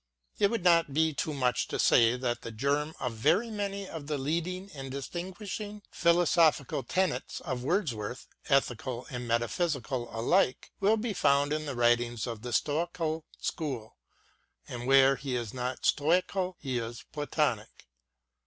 It would not be too much to say that the germ of very many of the leading and distinguishing philosophical tenets of Wordsworth, ethical and metaphysical alike, will be found in the writings of the Stoical school ; and where he is not Stoical he is Platonic.